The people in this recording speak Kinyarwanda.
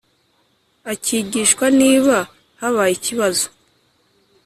akigishwa niba habaye ikibazo